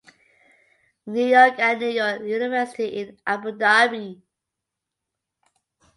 New York and New York University in Abu Dhabi.